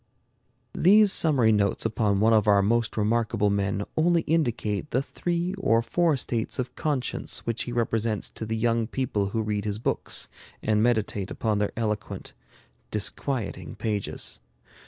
These summary notes upon one of our most remarkable men only indicate the three or four states of conscience which he represents to the young people who read his books and meditate upon their eloquent, disquieting pages.